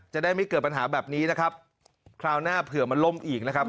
จะได้ไม่เกิดปัญหาแบบนี้นะครับคราวหน้าเผื่อมันล่มอีกนะครับ